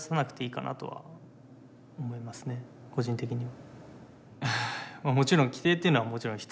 個人的には。